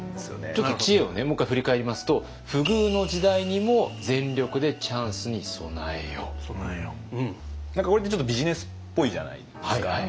ちょっと知恵をねもう一回振り返りますと何かこれってちょっとビジネスっぽいじゃないですか。